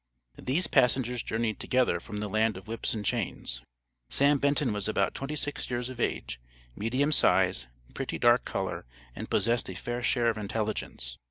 These passengers journeyed together from the land of whips and chains. Sam Benton was about twenty six years of age, medium size, pretty dark color, and possessed a fair share of intelligence.